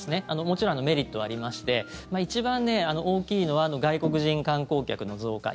もちろんメリット、ありまして一番大きいのは外国人観光客の増加。